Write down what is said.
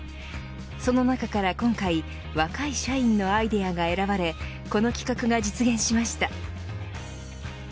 その中から今回若い社員のアイデアが選ばれこの企画が実現しました。